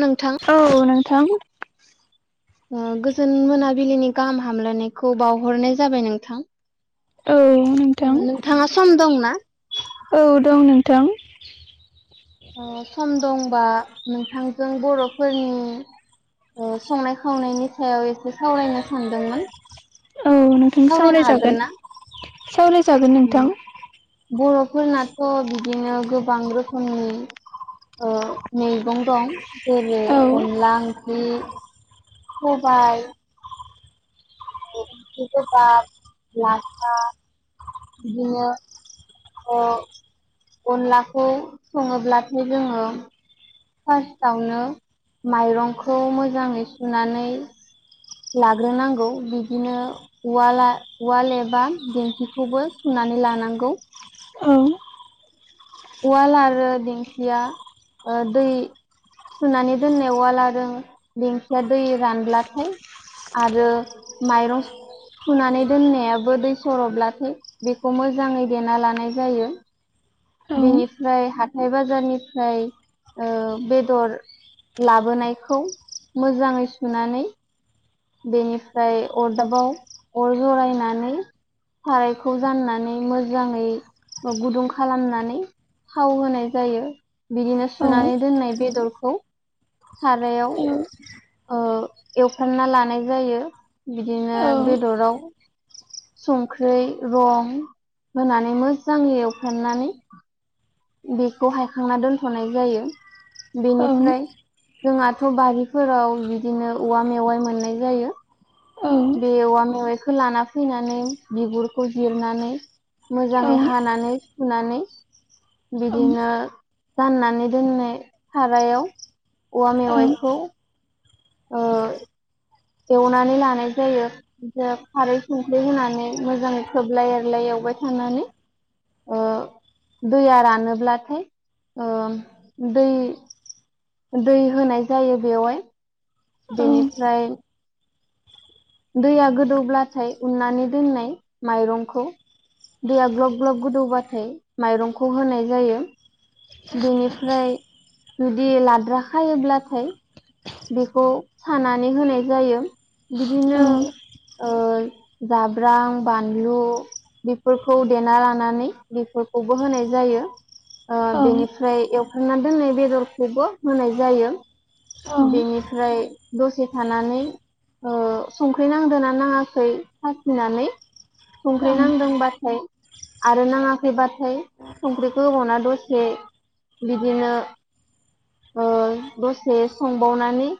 नोंथां औ नोंथां [inaudible] गोजोन मोनाबिलिनि गाहाम हामलायनायखौ बावहरनाय जाबाय नोंथां। औ नोंथां नोंथाङा सम दंना? औ दं नोंथां। सम दंबा नोंथांजों बर'फोरनि संनाय खावनायनि सायाव एसे सावरायनो सानदोंमोन। औ नोंथां सावरायनो हागोन सावराजागोन ना? सावरायजागोन नोंथां। उम बर'फोरनाथ' बिदिनो गोबां रोखोमनि ओ मैगं दं जेरै औ अनला ओंख्रि सबाइ ओंख्रि गोबाब लाफा बिदिनो अनलाखौ सङोब्लाथाय जोङो फार्स्टआवनो माइरंखौ मोजाङै सुनानै लाग्रोनांगौ बिदिनो उवाला उवाल एबा दिंखिखौबो सुनानै लानांगौ। औ उवाल आरो दिंखिया ओ दै सुनानै दोननायाव लादों दिंखिया दै रानब्लाथाय आरो माइरं सुनानै दोननायाबो दै सरबब्लाथाय बेखौ मोजाङै देना लानाय जायो। औ बेनिफ्राय हाथाय बाजारनिफ्राय ओ बेदर लाबोनायखौ मोजाङै सुनानै बेनिफ्राय अरदाबाव अर जरायनानै सारायखौ जाननानै मोजाङै गुदुं खालामनानै थाव होनाय जायो बिदिनो औ सुनानै दोननाय बेदरखौ सारायाव एवफ्राना लाना सुनाय जायो औ बिदिनो बेदराव संख्रै रं होनानै मोजाङै एवफ्राननानै बेखौ हायखांना दोन्थ'नाय जायो बेनिफ्राय जोंहाथ' बारिफोराव बिदिनो औवा मेवाइ मोननाय जायो। बे औवा मेवाइखौ लाना फैनानै बिगुरखौ जिरनानै मोजाङै हानानै सुनानै बिदिनो जाननानै दोननाय सारायाव औवा मेवायखौ ओ एवनानै लानाय जायो। खारै संख्रै होनानै मोजाङै खोबलाय एरलाय एवबाय थानानै ओ दैया रानोब्लाथाय ओ दै दै होनाय जायो बेवहाय बेनिफ्राय दैया गोदौब्लाथाय उननानै दोननाय माइरंखौ दैया ग्लब ग्लब गोदौबाथाय माइरंखौ होनाय जायो। बेनिफ्राय जुदि लाद्राखायोब्लाथाय बेखौ साना होनाय जायो बिदिनो औ जाब्रां, बानलु बेफोरखौ देना लानानै बेफोरखौबो होनाय जायो। औ बेनिफ्राय एवखांना दोननाय बेदरखौबो होनाय जायो। बेनिफ्राय दसे थानानै संख्रि नांदो ना नाङाखै साखिनानै संख्रि नांदोंबाथाय आरो नाङाखैबाथाय संख्रिखौ होबावना दसे बिदिनो दसे संबावनानै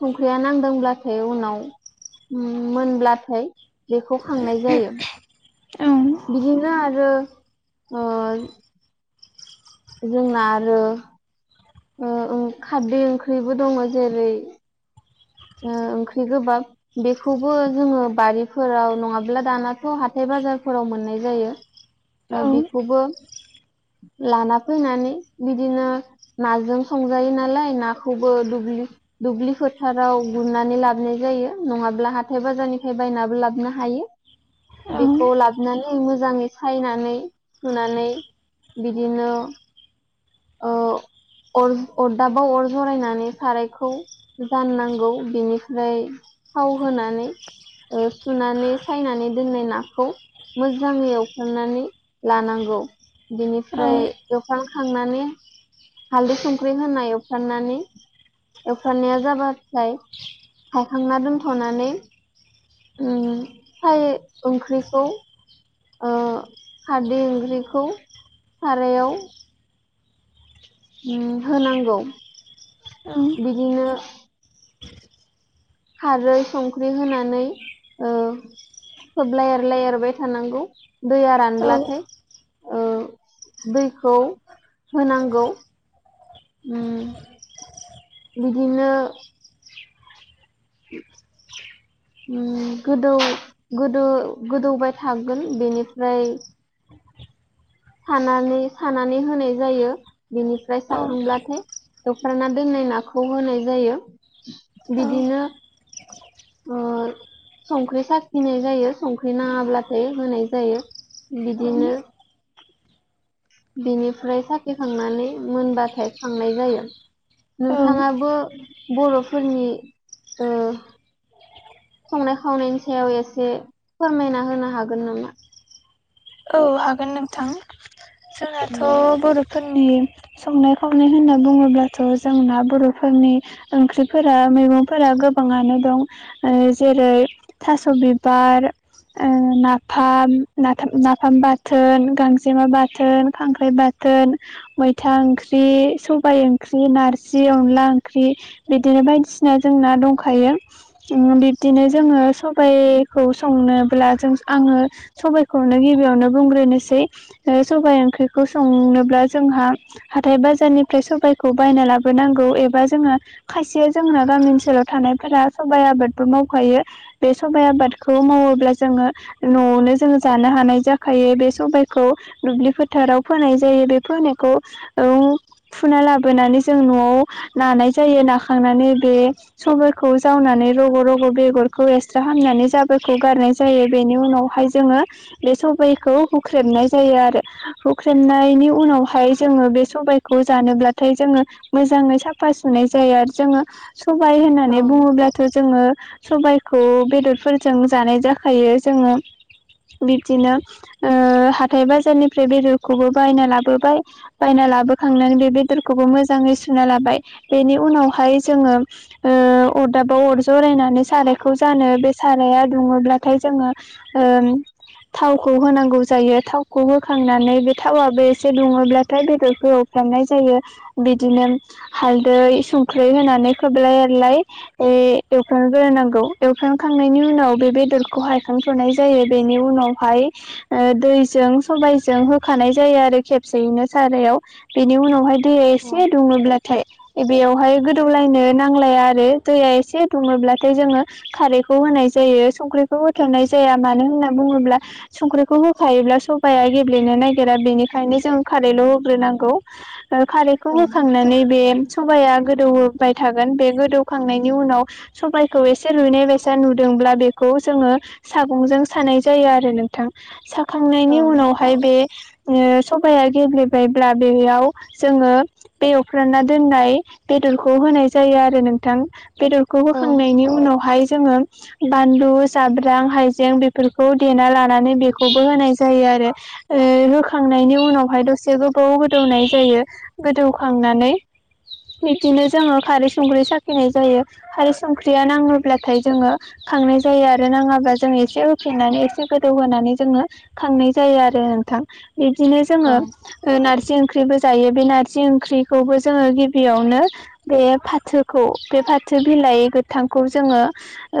संख्रिया नांदोंब्लाथाय उनाव मोनब्लाथाय बेखौ खांनाय जायो बिदिनो आरो जोंना आरो खारदै ओंख्रिबो दंङ जेरै ओंख्रि गोबाब- बेखौबो जोंङो बारिफोराव नङाब्ला दानाथ' हाथाय बाजारफोराव मोननाय जायो। बेखौबो लाना फैनानै बिदिनो नाजों संजायो नालाय नाखौबो दुब्लि फोथार [unintelligible] गुरनानै लाबोनाय जायो नङाब्ला हाथाय बाजारनिफ्राय बायनाबो लाबोनो हायो। बेखौ ला [unintelligible] मोजाङै सायनानै सुनानै बिदिनो अर अरदाबाव अर जरायनानै सारायखौ जाननांगौ बिनिफ्राय थाव होनानै सुनानै सायनानै दोननाय नाखौ मोजाङै एवखांनानै लानांगौ बेनिफ्राय एवफ्रान खांनानै हाल्दै संख्रि होना एवफ्राननानै एवफ्रानाया जाबाथाय हायखांना दोनथ'नानै साय ओंख्रिखौ खारदै ओंख्रिखौ सारायाव होनांगौ औ बिदिनो खारै संख्रि होनानै खोबलााय एरलााय एरबाय थानांगौ दैया रानब्लाथाय दैखौ होनांगौ बिदिनो गोदौ गोद गोदौबाय थागोन बेनिफ्राय सानानै सानानै होनाय जायो बेनिफ्राय साखांब्लाथाय दख'नाना दोननाय नाखौ होनाय जायो बिदिनो आरो संख्रि साखिनाय जायो संख्रि नाङाब्लाथाय होनाय जायो बिदिनो बिनिफ्राय साखिखांनानै मोनबाथाय खांनाय जायो नोंथाङाबो बर'फोरनि संनाय खावनायनि सायाव एसे फोरमायना होनो हागोन नामा औ हागोन नोंथां जोंनाथ' बर'फोरनि संनाय खावनाय होनना बुङोब्ला थ' जोंना बर'फोरनि ओंख्रिफोरा मैगंफोरा गोबाङानो दं जेरै थास' बिबार नाफामफाम नाफाम बाद बाथोन गांजेमा बाथोन खांख्राइ बाथोन मैथा ओंख्रि सबाय ओंख्रि नारजि अनला ओंख्रि बिदिनो बायदिसिना जों ना दंखायो बिब्दिनो जोङो सबायखौ संनोब्ला जों आङो सबाइखौनो गिबियावनो बुंग्रोनोसै सबाइ ओंख्रिखौ संनोब्ला जोंहा हाथाय बाजारनिफ्राय सबायखौ बायना लाबोनांगौ एबा जोंहा खायसे जोंना गामि ओनसोलाव थानायफोरा सबाइ आबादबो मावखायो बे सबाइ आबादखौ मावोब्ला जोङो न'आवनो जोङो जानो हानाय जाखो खायो बे सबायखौ दुब्लि फोथाराव फोनाय जायो बे फोनायखौ फुना लाबोनानै जों न'आव नानाय जायो नाखांनानै बे सबाइखौ जावनानै रग' रग' बेगरखौ एक्सट्रा हामनानै जाबोरखौ गारनाय जायो बेनि उनावहाय जोङो बे स बायखौ हुख्रेबनाय जायो आरो हुख्रेबनायनि उनावहाय जोङो बे सबायखौ जानोब्ला थाय जोङो मोजाङै साफा सुनाय जायो आरो जोङो सबाय औ होननानै बुङोब्ला थ' जोङो सबायखौ बेदरफोरजों जानाय जाखायो जोङो बिब्दिनो ओ हाथाय बाजारनिफ्राय बेदरखौबो बायना लाबोबाय बायना लाबोखांनानै बे बेदरखौबो मोजाङै सुना लाबाय बेनि उनावहाय जोङो ओ अरदाबाव अर जरायनानै सारायखौ जानो बे साराया दुङोब्लाथाय जोङो ओ थाव खौ होनांगौ जायो थावखौ होखांनानै बे थावबो एसे दुङोब्लाथाय बेदर खौ एवफ्रांनाय जायो बिदिनो हालदै संख्रै होनानै खोबलाय एरलाय ए एवफ्रामग्रोनांगौ एवफ्रामखांनायनि उनाव बेदरखौ हायखांथ'नाय जाय जायो बेनि उनावहाय ओ दैजों सबाइजों होखानाय जायो आरो खेबसेयैनो सारायाव बेनि उनावहाय दै औ एसे दुङोला नाथाय बेयावहाय गोदौलायनो नांलाया आरो दैया एसे दुङोब्लाथाय जोङो खारैखौ होनाय जायो संख्रिखौ होथ'नाय जाया मानो होनना बुङोब्ला संख्रिखौ होखायोब्ला सफाया गेब्लेनो नागिरा बेनिखायनो जों खारैल' होग्रोनांगौ ओ खारैखौ औ होखांनानै बे सबाया गोदौ बाय थागोन बे गोदौखांनायनि उनाव सबायखौ एसे रुइनाय बायसा नुदोंब्ला बेखौ जोङो सागंजों सानाय जायो आरो नों औ साखांनायनि उनावहाय बे ओ सबाया गेब्लेबायब्ला बेयाव जोङो बे एवफ्रा दोननाय बेदरखौ होनाय जायो आरो नोंथां बेदरखौ होखांनायनि उनावहाय जोङो बानलु जाब्रां हाइजें बेफोरखौ देना ला नानै बेखौबो होनाय जायो आरो रोखांनायनि उनावहाय दसे गोबाव गोदौनाय जायो गोदौ खांनानै बिदिनो जोङो खारै संख्रै साखिनाय जायो खारै संख्रिया नाङोब्लाथाय जोङो खांनाय जायो आरो नाङाबा जों एसे होफिनानै एसे गोदौ होनोनानै जोङो खांनाय जायो आरो नोंथां बिब्दिनो औ जोङो नारजि ओंख्रिबो जायो बे नारजि ओंख्रिखौबो जोङो गिबियावनो बे फाथोखौ बे फाथो बिलाइ गोथांखौ जोङो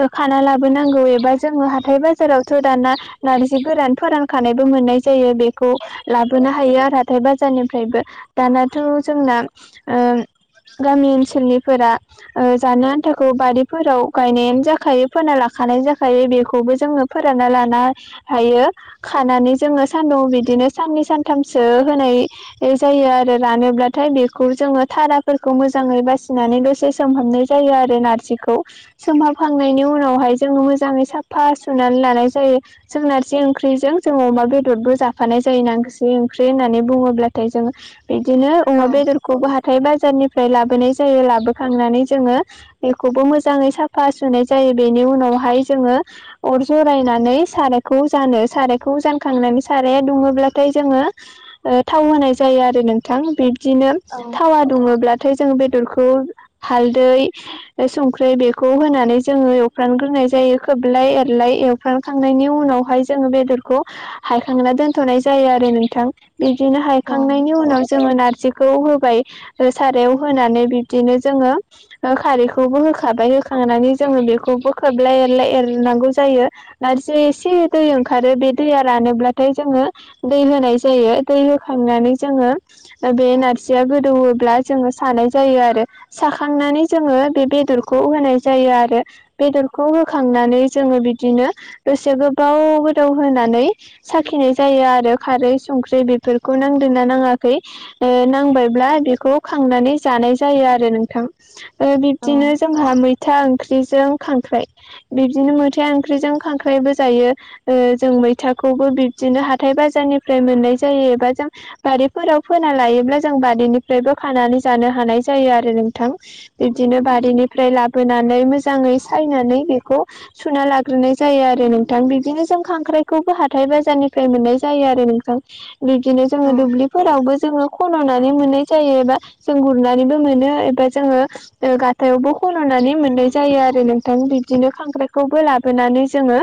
ओ खाना लाबोनांगौ एबा जोङो हाथाय बाजारावथ' दाना नारजि गोरान फोरानखानायबो मोननाय जायो बेखौ लाबोनो हायो आरो हाथाइ बाजारनिफ्रायबो दानाथ' जोंना गामि ओनसोलनिफोरा ओ जानो आन्थाखौ बारिफोराव गायनायानो जाखायो फोना लाखानाय जाखायो बेखौबो जोङो फोरानना लाना हायो खानानै जोङो सानदुं बिदिनो साननै सानथामसो होनाय जायो आरो रानोब्लाथाय बेखौ जोङो थाराफोरखौ मोजाङै बासिनानै दसे सम होननै जायो आरो नारजिखौ सोमहाबखांनायनि उनावहाय जोङो मोजाङै साफा सुनानै लानाय जायो जों नारजि ओंख्रिजों जों अमा बेदरबो जाफानाय जायो नासि ओंख्रि होननानै बुङोब्लाथाय जोङो बिदिनो अमा बेदरखौबो हाथाय बाजारनिफ्राय लाबोनाय जायो लाबोखांनानै जोङो बेखौबो मोजाङै साफा सुनाय जायो बेनि उनावहाय जोङो अर जरायनानै साराय खौ जानो सारायखौ जानखांनानै साराया दुङोब्लाथाय जोङो थाव होनाय जायो आरो नोंथां बिब्दिनो औ थावा दुङोब्ला थाय जोङो बेदरखौ हालदै बे संख्रै बेखौ होनानै जोङो एवफ्रामग्रोनाय जायो खोबलाय एरलाय एवफ्रामखांनायनि उनाव हाय जोङो बेदरखौ हायखांना दोनथ'नाय जायो आरो नोंथां। बिदिनो हायखांनायनि औ उनाव जोङो नारजि खौ होबाय ओ सारायाव होनानै बिब्दिनो जोङो खारैखौबो होखाबाय होखांनानै जोङो बेखौबो खोबलाय एरलाय एरनांगौ जायो। नारजिया एसे दै ओंखारो बे दैया रानोब्लाथाय जोङो दै होनाय जायो, दै होखांनानै जोङो बे नारजिया गोदौओब्ला जोङो सानाय जायो आरो। साखांनानै जोङो बे बेदरखौ होनाय जायो आरो। बेदरखौ होखांनानै जोङो बिदिनो दसे गोबाव गोदाव होनानै साखिनाय जायो आरो खारै संख्रै बेफोरखौ नांदोंना नाङा खै ओ नांबायब्ला बेखौ खांनानै जानाय जायो आरो नोंथां। ओ औ बिब्दिनो जोंहा मैथा ओंख्रिजों खांख्राइ बिब्दिनो मैथा ओंख्रिजों खांख्राइबो जायो। ओ जों मैथाखौबो बिब्दिनो हाथाइ बाजारनिफ्राय मोननाय जायो एबा जों बारिफोराव फोना लायोब्ला जों बारिनिफ्रायबो खानानै जानो हानाय जायो आरो नोंथां। बिब्दिनो बारिनिफ्राय लाबोनानै मोजाङै सायनानै बेखौ सुना लाग्रोनाय जायो आरो नोंथां बि दिनो जों खांख्राइखौबो हाथाइ बाजारनिफ्राय मोननाय जायो आरो नोंथां। बिब्दिनो औ जोङो दुब्लिफोरावबो जोङो खन'नानै मोननाय जायो एबा जों गुरनानैबो मोनो एबा जोङो ओ गातायावबो खन'नानै मोननाय जायो आरो नोंथां। बिब्दिनो खांख्राइखौबो लाबोनानै जोङो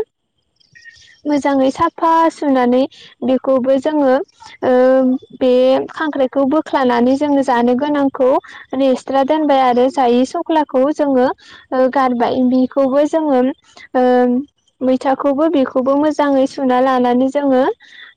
मोजाङै साफा सुनानै बेखौबो जोङो ओ बे खांख्राइखौ बोख्लानानै जोङो जानो गोनांखौ ओरै एक्सट्रा दोनबाय आरो जायै सख्लाखौ जोङो ओ गारबाय बिखौबो जोङो ओ मैथा खौबो बेखौबो मोजाङै सुना लानानै जोङो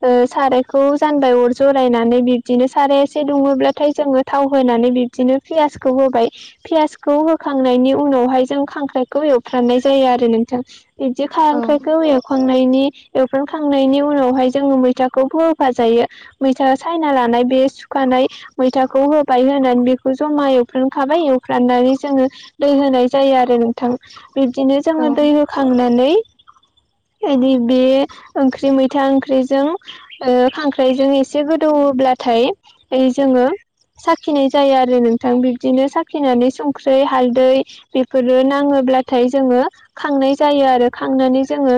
ओ सारायखौ जानबाय अर जरायनानै बिब्दिनो साराया एसे दुङोब्लाथाय जोङो थाव होनानै बि दिनो पियासखौ होबाय पियासखौ होखांनायनि उनावहाय जों खांख्राइखौ एव फ्रामनाय जायो आरो नोंथां बिब्दि औ खांख्राइ खौ एवखांनायनि एवफ्रामखांनायनि उनावहाय जोङो मैथाखौ फो-होफाजायो। मैथा सायना लानाय बे सुखानाय मैथाखौ होबाय होनानै बेखौ जमा एवफ्रानखाबाय एवफ्राननानै जोङो दै होनाय जायो आरो नोंथां। बिब्दिनो जोङो औ दै होखांनानै इदि बे ओंख्रि मैथा ओंख्रिजों ओ खांख्राइजों एसे गोदौओब्लाथाय ओइ जोङो साखिनाय जायो आरो नोंथां। बिब्दिनो साखिनानै संख्रै हालदै बेफोरो नाङोब्लाथाय जोङो खांनाय जायो आरो। खांनानै जोङो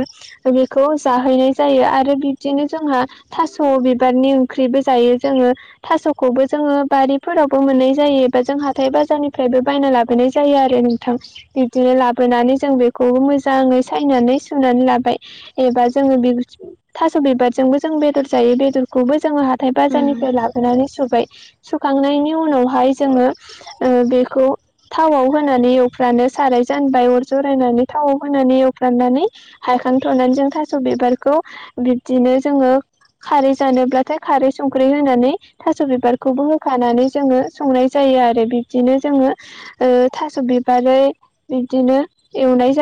बेखौ जाहैनाय जायो आरो बिब्दिनो जोंहा थास' बिबारनि ओंख्रिबो जायो जोङो थास'खौबो जोङो बारि फोरावबो मोननाय जायो एबा जों हाथाइ बाजारनि फ्रायबो बायना लाबोनाय जायो आरो नोंथां बिब्दिनो लाबोनानै जों बेखौबो मोजाङै सायनानै सुनानै लाबाय एबा जोङो बे [unintelligible] थास' बिबार जोंबो जों बेदर जायो बेदरखौबो जोङो हाथाइ उम बाजारनिफ्राय लाबोनानै सुबाय सुखांनायनि उनावहाय जोङो ओ बेखौ थावआव होनानै एवफ्रानो साराय जानबाय अर जरायनानै थावाव होनानै एव नानै हायखांथ'नानै जों थास' बिबारखौ बिब्दिनो जोङो खारै जानोब्लाथाय खारै संख्रै होनानै थास' बिबारखौबो होखानानै जोङो संनाय जायो आरो बिब्दिनो जोङो ओ थास' बिबारै बिब्दिनो एवनाय जा